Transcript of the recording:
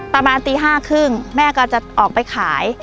ประมาณตี๕๓๐แม่ก็จะออกไปขาย